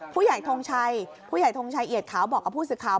ผู้ใหญ่ทงชัยเหยียดข่าวบอกกับผู้สิทธิ์ข่าว